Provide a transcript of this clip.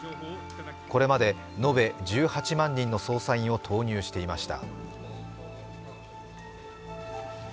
これまで延べ１８万人の捜査員を投入していました。